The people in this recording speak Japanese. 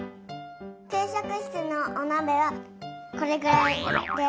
きゅうしょくしつのおなべはこれぐらいです。